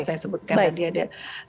saya sebutkan tadi ada